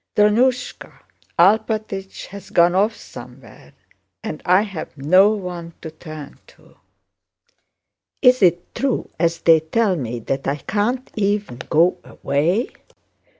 "Drónushka, Alpátych has gone off somewhere and I have no one to turn to. Is it true, as they tell me, that I can't even go away?"